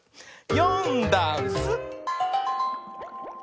「よんだんす」